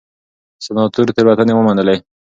سناتور تېروتنې ومنلې.